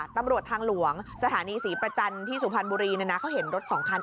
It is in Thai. ตำรวจทางหลวงสถานีศรีประจันทร์ที่สุพรรณบุรีเขาเห็นรถสองคัน